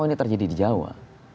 ini terjadi di jawa